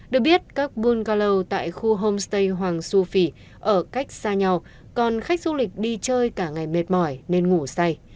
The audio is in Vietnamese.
được biết các bulgalo tại khu homestay hoàng su phi ở cách xa nhau còn khách du lịch đi chơi cả ngày mệt mỏi nên ngủ say